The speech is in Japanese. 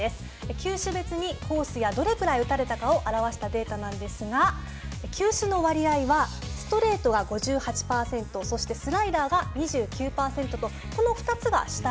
球種別にコースやどれくらい打たれたかを表したデータなんですが球種の割合はストレートが５８％そしてスライダーが２９％とこの２つが主体でした。